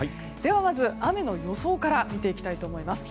まず雨の予想から見ていきたいと思います。